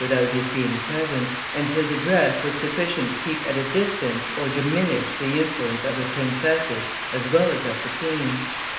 without his being present, and his address was sufficient to keep at a distance or diminish the influence of the princesses as well as of the queen.